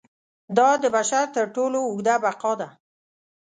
دا د بشر تر ټولو اوږده بقا ده.